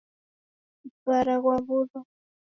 Mswara ghwaw'urwa.